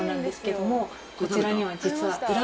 こちらには実は。